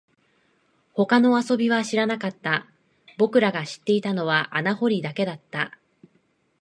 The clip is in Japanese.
他の遊びは知らなかった、僕らが知っていたのは穴掘りだけだった